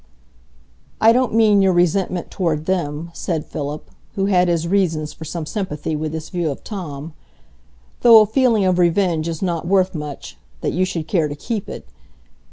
"I don't mean your resentment toward them," said Philip, who had his reasons for some sympathy with this view of Tom, "though a feeling of revenge is not worth much, that you should care to keep it.